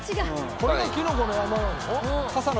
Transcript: これがきのこの山なの？